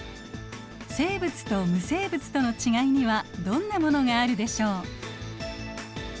生物と無生物とのちがいにはどんなものがあるでしょう。